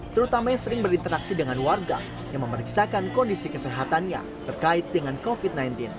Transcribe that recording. terutama yang sering berinteraksi dengan warga yang memeriksakan kondisi kesehatannya terkait dengan covid sembilan belas